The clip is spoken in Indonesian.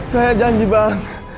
saya janji bang